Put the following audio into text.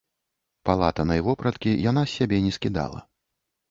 Палатанай вопраткі яна з сябе не скідала.